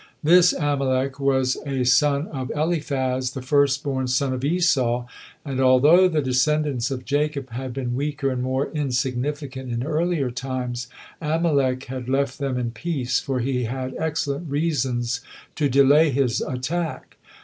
This Amalek was a son of Eliphaz, the first born son of Esau, and although the descendants of Jacob had been weaker and more insignificant in earlier times, Amalek had left them in peace, for he had excellent reasons to delay his attack.